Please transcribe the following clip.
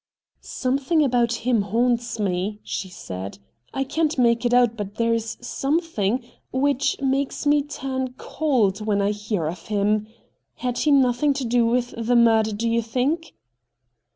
' Something about him haunts me,' she said. ' I can't make it out, but there is some thing which makes me turn cold when I hear of him. Had he nothing to do with the murder, do you think